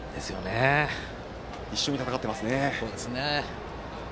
一緒に戦ってますね。